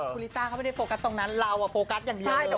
คุณลิต้าเขาไม่ได้โฟกัสตรงนั้นเราโฟกัสอย่างเดียว